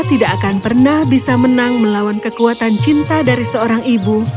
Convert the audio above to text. tidak akan pernah bisa menang melawan kekuatan cinta dari seorang ibu